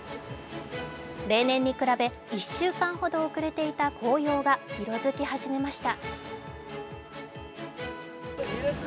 例年に比べ、１週間ほど遅れていた紅葉が色づき始めました。